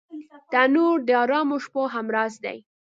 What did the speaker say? تنور د ارامو شپو همراز دی